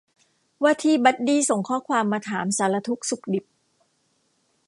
ว่าที่บัดดี้ส่งข้อความมาถามสารทุกข์สุขดิบ